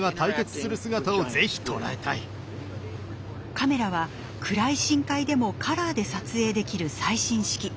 カメラは暗い深海でもカラーで撮影できる最新式。